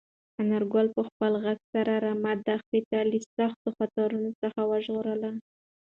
انارګل په خپل غږ سره رمه د دښتې له سختو خطرونو څخه وژغورله.